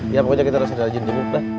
iya pokoknya kita harus sering jenguk dah